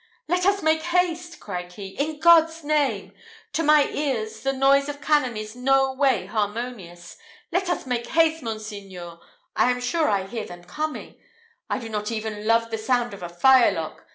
"Let us make haste," cried he, "in God's name! To my ears, the noise of cannon is no way harmonious. Let us make haste, monseigneur I am sure I hear them coming! I do not even love the sound of a firelock.